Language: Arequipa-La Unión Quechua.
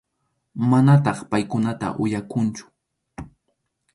Manataq paykunata uyakunchu.